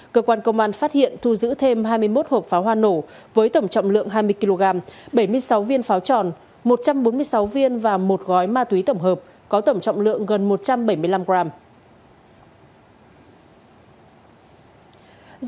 cơ quan công an phát hiện thu giữ thêm hai mươi một hộp pháo hoa nổ với tổng trọng lượng hai mươi kg bảy mươi sáu viên pháo tròn một trăm bốn mươi sáu viên và một gói ma túy tổng hợp có tổng trọng lượng gần một trăm bảy mươi năm gram